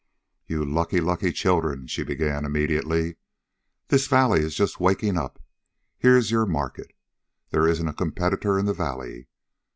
"You lucky, lucky children," she began immediately. "This valley is just waking up. Here's your market. There isn't a competitor in the valley.